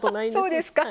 そうですか。